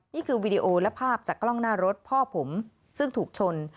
วีดีโอและภาพจากกล้องหน้ารถพ่อผมซึ่งถูกชน